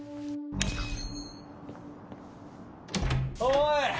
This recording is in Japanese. おい！